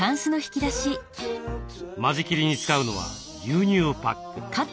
間仕切りに使うのは牛乳パック。